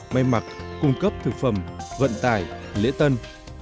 máy mặc cung cấp thực phẩm vận tải lễ tân